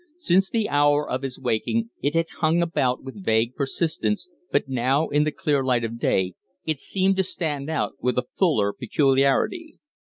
Since the hour of his waking it had hung about with vague persistence, but now in the clear light of day it seemed to stand out with a fuller peculiarity.